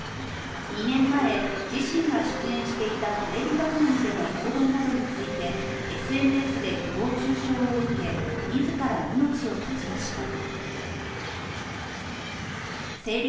２年前、自身が出演していたテレビ番組での行動などについてＳＮＳで誹謗中傷を受け自ら命を絶ちました。